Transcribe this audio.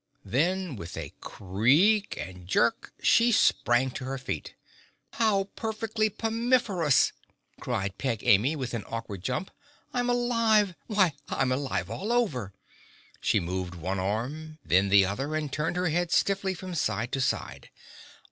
Then, with a creak and jerk, she sprang to her feet. "How perfectly pomiferous!" cried Peg Amy, with an awkward jump. "I'm alive! Why, I'm alive all over!" She moved one arm, then the other and turned her head stiffly from side to side.